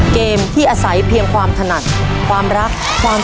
เกมที่อาศัยเพียงความถนัดความรักความ